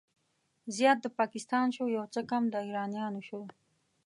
زيات د پاکستان شو، يو څه کم د ايرانيانو شو